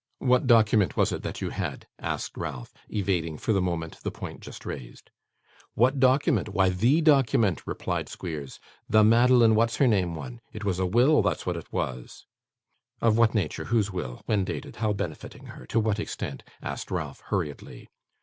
'What document was it that you had?' asked Ralph, evading, for the moment, the point just raised. 'What document? Why, THE document,' replied Squeers. 'The Madeline What's her name one. It was a will; that's what it was.' 'Of what nature, whose will, when dated, how benefiting her, to what extent?' asked Ralph hurriedly.